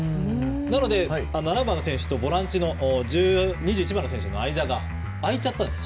なので７番の選手とボランチの２１番の選手の間が空いたんです。